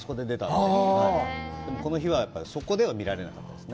でも、この日は、そこでは見られなかったですね。